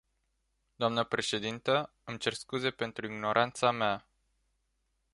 Doamnă președintă, îmi cer scuze pentru ignoranța mea.